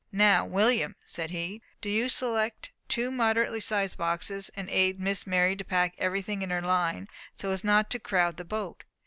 "Now, William," said he, "do you select two moderately sized boxes, and aid Miss Mary to pack everything in her line so as not to crowd the boat.